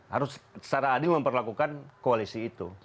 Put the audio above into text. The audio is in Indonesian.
harus secara adil memperlakukan koalisi itu